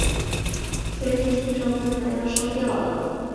最近听说工厂要收掉了